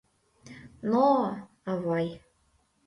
— Но... авай!